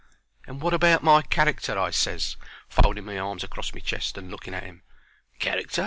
"And wot about my character?" I ses, folding my arms acrost my chest and looking at him. "Character?"